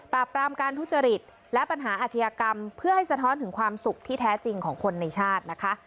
ปรามการทุจริตและปัญหาอาชญากรรมเพื่อให้สะท้อนถึงความสุขที่แท้จริงของคนในชาตินะคะ